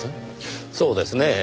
そうですねぇ。